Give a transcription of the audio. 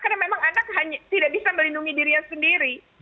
karena memang anak tidak bisa melindungi diri sendiri